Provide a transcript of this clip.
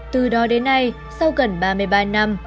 từ đó đến nay sau gần ba mươi ba năm